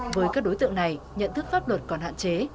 với các đối tượng này nhận thức pháp luật còn hạn chế